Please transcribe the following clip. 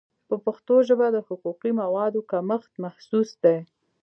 په پښتو ژبه د حقوقي موادو کمښت محسوس دی.